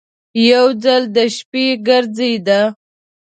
یو ځل د شپې ګرځېده.